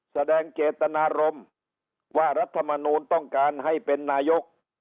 แสดงเจตนารมณ์ว่ารัฐมนูลต้องการให้เป็นนายก